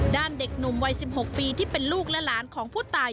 เด็กหนุ่มวัย๑๖ปีที่เป็นลูกและหลานของผู้ตาย